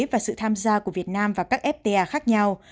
và sự tham gia của việt nam vào các fta khác nhau